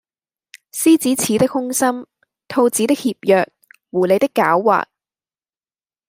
獅子似的凶心，兔子的怯弱，狐狸的狡猾，……